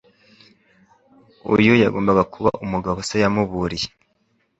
Uyu yagombaga kuba umugabo se yamuburiye!